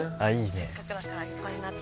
せっかくだから横になって。